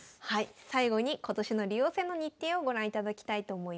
最後に今年の竜王戦の日程をご覧いただきたいと思います。